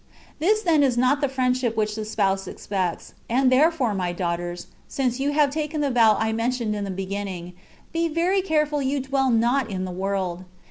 This then is not the Mendship which the Spouse expects; and therefore, my daus^hters (since you have taken the vow I men tioned in the beginnmg). be veiy careful you dwell not in the world.